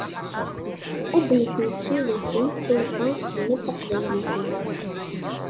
Ad d-nesmekti d akke Kaysa, tḥemmel Taqbaylit-is.